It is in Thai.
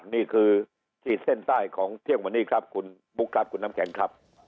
นี่คือขีดเส้นใต้ของเที่ยงวันนี้ครับคุณบุ๊คครับคุณน้ำแข็งครับ